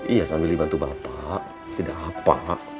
iya sambil dibantu bapak tidak apa